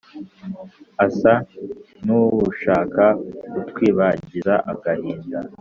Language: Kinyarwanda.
asa nuwushaka kutwibagiza agahinda